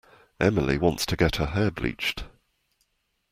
Emily wants to get her hair bleached.